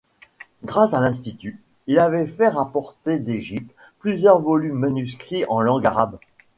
Grâce à l’Institut, il avait fait rapporter d’Égypte plusieurs volumes manuscrits en langue arabe.